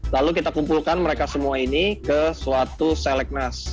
lalu kita kumpulkan mereka semua ini ke suatu selek nas